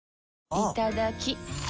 いただきっ！